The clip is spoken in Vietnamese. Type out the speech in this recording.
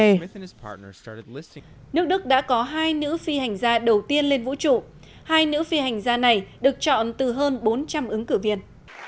nước đức đã có hai nữ phi hành gia đầu tiên lên vũ trụ hai nữ phi hành gia này được chọn từ hơn bốn trăm linh ứng cử viên